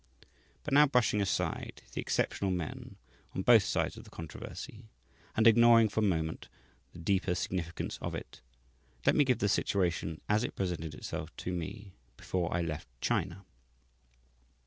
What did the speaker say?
But now, brushing aside the exceptional men on both sides of the controversy, and ignoring for the moment the deeper significance of it, let me give the situation as it presented itself to me before I left China.